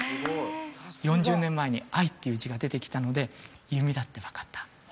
４０年前に「愛」っていう字が出てきたので弓だって分かった